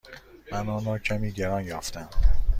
من آن را کمی گران یافتم.